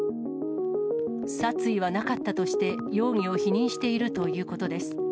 殺意はなかったとして、容疑を否認しているということです。